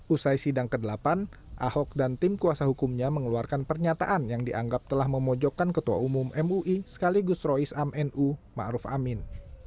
usai sidang ke delapan ahok dan tim kuasa hukumnya mengeluarkan pernyataan yang dianggap telah memojokkan ketua umum mui sekaligus roisam nu ma'ruf amin